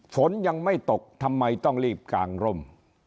ฝนยังไม่ตกทำไมต้องรีบกางร่ม